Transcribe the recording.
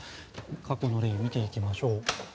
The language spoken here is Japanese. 過去の例を見ていきましょう。